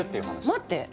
待って。